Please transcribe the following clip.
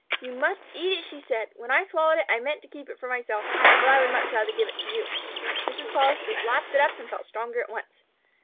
"You must eat it," she said. "When I swallowed it, I meant to keep it for myself, but I would much rather give it to you." Mrs. Polistes lapped it up and felt stronger at once.